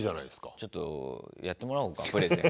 ちょっとやってもらおうかプレゼン。